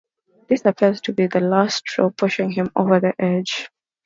This appears to be the last straw, pushing him over the edge.